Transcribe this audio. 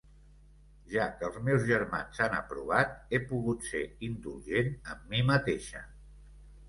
Ja que els meus germans han aprovat, he pogut ser indulgent amb mi mateixa.